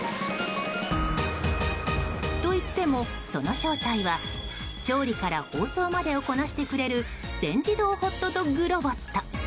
といっても、その正体は調理から包装までをこなしてくれる全自動ホットドッグロボット。